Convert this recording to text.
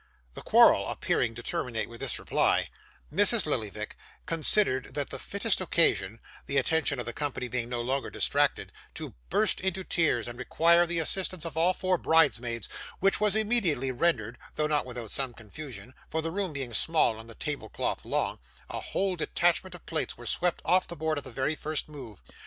The quarrel appearing to terminate with this reply, Mrs. Lillyvick considered that the fittest occasion (the attention of the company being no longer distracted) to burst into tears, and require the assistance of all four bridesmaids, which was immediately rendered, though not without some confusion, for the room being small and the table cloth long, a whole detachment of plates were swept off the board at the very first move.